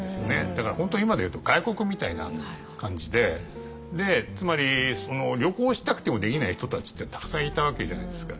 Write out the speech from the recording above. だから本当に今でいうと外国みたいな感じで。でつまり旅行したくてもできない人たちってたくさんいたわけじゃないですか。